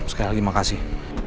sekali lagi makasih